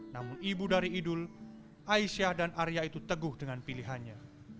namun ibu dari idul aisyah dan arya itu teguh dengan pilihannya